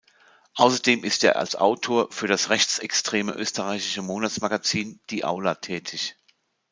Außerdem ist er als Autor für das rechtsextreme österreichische Monatsmagazin "Die Aula" tätig.